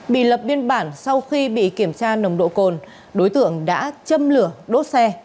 bị lập biên bản sau khi bị kiểm tra nồng độ cồn đối tượng đã châm lửa đốt xe